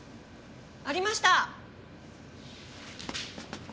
ありました！